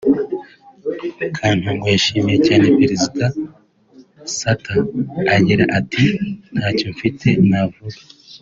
Katongo yashimiye cyane Perezida Sata agira ati “ Nta cyo mfite navuga